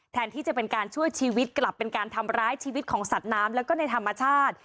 แทนที่จะเป็นการช่วยชีวิตกลับเป็นการทำร้ายชีวิตของสัตว์น้ำแล้วก็ในธรรมชาติ